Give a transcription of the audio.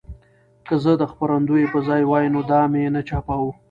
که زه د خپرندوی په ځای وای نو دا مې نه چاپوه.